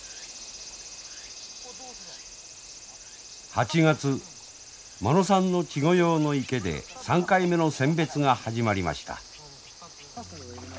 ８月間野さんの稚魚用の池で３回目の選別が始まりました。